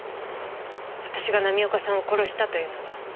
私が浪岡さんを殺したというのは。